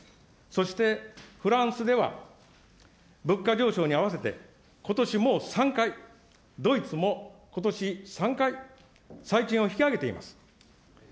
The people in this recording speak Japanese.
そして、フランスでは物価上昇に合わせて、ことしもう３回、ドイツもことし３回、最賃を引き上げています。